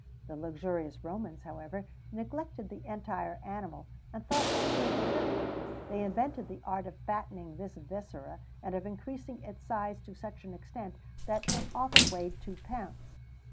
The luxurious Romans, however, neglected the entire animal, and thought only of the liver. They invented the art of fattening this viscera, and of increasing its size to such an extent that it often weighed two pounds.